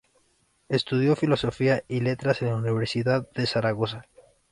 Estudió Filosofía y Letras en la Universidad de Zaragoza.